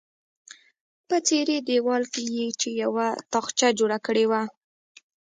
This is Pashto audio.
په څیرې دیوال کې یې چې یوه تاخچه جوړه کړې وه.